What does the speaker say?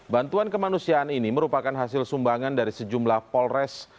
bantuan kemanusiaan ini merupakan hasil sumbangan dari sejumlah polres